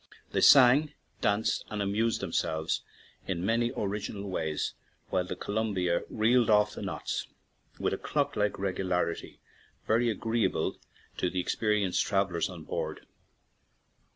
They sang, danced, and amused themselves in many original ways, while the Columbia reeled off the knots with a clock like regularity very agree able to the experienced travellers on board.